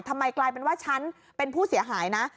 ทำไมกลายเป็นว่าฉันเป็นผู้เสียหายนะ